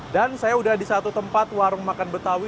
dan saya udah di satu tempat warung makan betawi